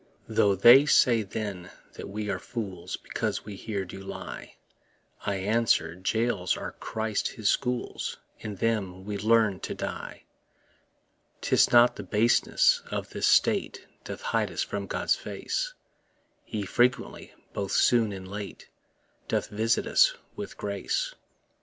Though they say then that we are fools Because we here do lie, I answer, Jails are Christ his schools, In them we learn to die. 'Tis not the baseness of this state Doth hide us from God's face; He frequently, both soon and late, Doth visit us with grace.